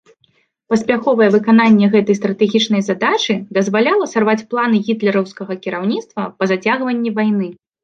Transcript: Паспяховае выкананне гэтай стратэгічнай задачы дазваляла сарваць планы гітлераўскага кіраўніцтва па зацягванні вайны.